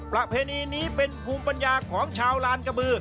ประเพณีนี้เป็นภูมิปัญญาของชาวลานกระบือ